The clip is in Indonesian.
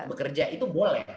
bekerja itu boleh